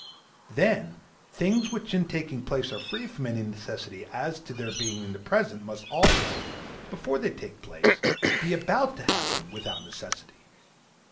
'Then, things which in taking place are free from any necessity as to their being in the present must also, before they take place, be about to happen without necessity.